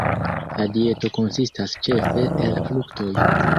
La dieto konsistas ĉefe el fruktoj.